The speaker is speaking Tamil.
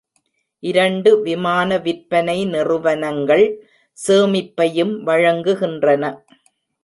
இரண்டு விமான விற்பனை நிறுவனங்கள் சேமிப்பையும் வழங்குகின்றன.